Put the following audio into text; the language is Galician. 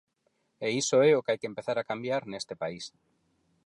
E iso é o que hai que empezar a cambiar neste país.